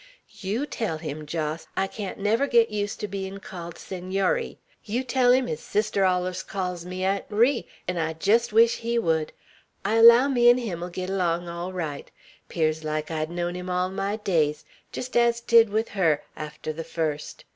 "Yeow tell him, Jos," she said, "I can't never git used ter bein' called Senory. Yeow tell him his' sister allers called me Aunt Ri, 'n' I jest wish he would. I allow me 'n' him'll git along all right. 'Pears like I'd known him all my days, jest ez 't did with her, arter the fust.